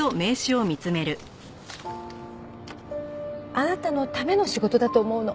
あなたのための仕事だと思うの。